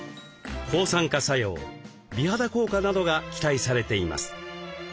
抗酸化作用美肌効果などが期待されています。